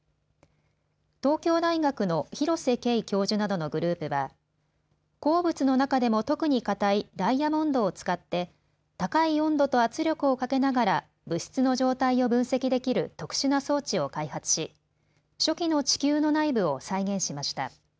東京大学の廣瀬敬教授などのグループは鉱物の中でも特に硬いダイヤモンドを使って高い温度と圧力をかけながら物質の状態を分析できる特殊な装置を開発し、初期の地球の内部を再現しました。